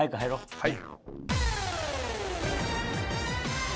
はい。